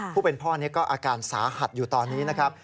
ผู้เป็นพ่อนี้ก็อาการสาหัสอยู่ตอนนี้นะครับ